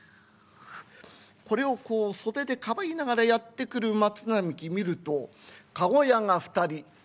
これをこう袖でかばいながらやって来る松並木見ると駕籠屋が２人。